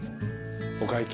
お会計。